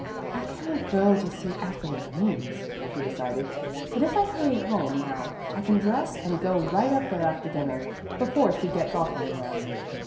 "I can't go to see Ethel in these," she decided, "but if I hurry home now I can dress and go right up there after dinner, before she gets off anywhere."